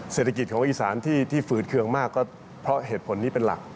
เศรษฐกิจของอีสานที่ฝืดเคืองมากก็เพราะเหตุผลนี้เป็นหลัก